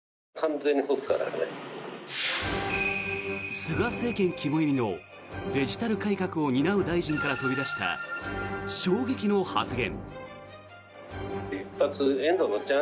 菅政権肝煎りのデジタル改革を担う大臣から飛び出した衝撃の発言。